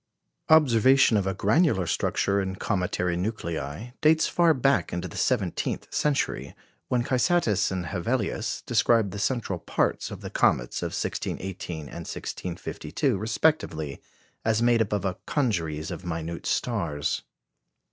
Observation of a granular structure in cometary nuclei dates far back into the seventeenth century, when Cysatus and Hevelius described the central parts of the comets of 1618 and 1652 respectively as made up of a congeries of minute stars.